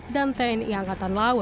tni angkatan udara tni angkatan udara